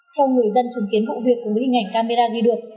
theo người dân chứng kiến vụ việc của hình ảnh camera ghi được